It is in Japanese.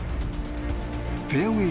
フェアウェー